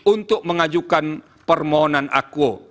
untuk mengajukan permohonan akuo